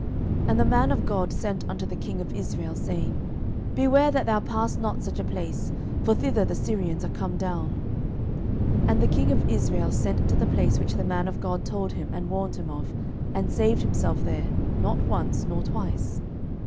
12:006:009 And the man of God sent unto the king of Israel, saying, Beware that thou pass not such a place; for thither the Syrians are come down. 12:006:010 And the king of Israel sent to the place which the man of God told him and warned him of, and saved himself there, not once nor twice.